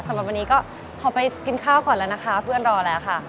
สำหรับวันนี้ก็ขอไปกินข้าวก่อนแล้วนะคะเพื่อนรอแล้วค่ะ